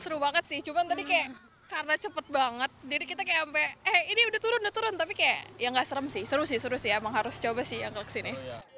seru banget sih cuma tadi kayak karena cepet banget jadi kita kaya mpe eh ini udah turun turun tapi kayak ya enggak serem sih seru sih emang harus coba sih yang kali x ini